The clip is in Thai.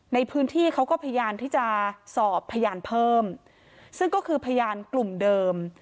ในพื้นที่เขาก็พยายามที่จะสอบพยานเพิ่มซึ่งก็คือพยานกลุ่มเดิม